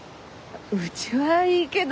うちはいいけど。